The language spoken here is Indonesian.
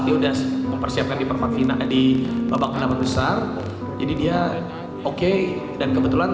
diudas mempersiapkan di perpaktian tadi babak kedamaian besar jadi dia oke dan kebetulan